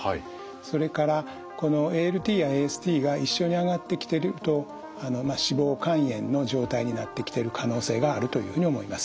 それからこのＡＬＴやＡＳＴが一緒に上がってきてると脂肪肝炎の状態になってきてる可能性があるというふうに思います。